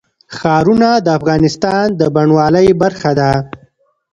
ښارونه د افغانستان د بڼوالۍ برخه ده.